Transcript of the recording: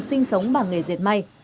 sinh sống bằng nghề diệt may